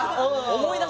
思い出せ